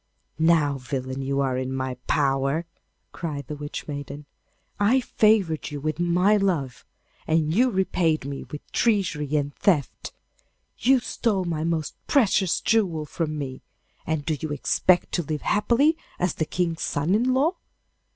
'Now, villain, you are in my power!' cried the Witch maiden. 'I favoured you with my love, and you repaid me with treachery and theft. You stole my most precious jewel from me, and do you expect to live happily as the King's son in law?